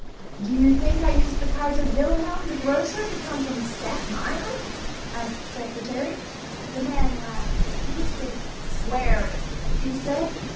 "Do you think I used the 'Kaiser Wilhelm the Grocer' to come from Staten Island?" asked the Secretary. The man laughed, loosely. "Swear!" he said.